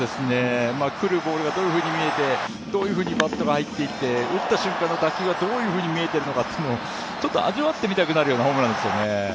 来るボールがどういうふうに見えて、どういうふうにバットが入っていって、打った瞬間の打球がどういうふうに見えているのかをちょっと味わってみたくなるようなホームランですよね。